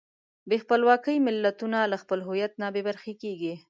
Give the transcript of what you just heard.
بې خپلواکۍ ملتونه له خپل هویت نه بېبرخې کېږي.